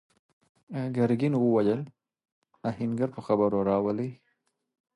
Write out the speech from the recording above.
ګرګين وويل: آهنګر په خبرو راولئ!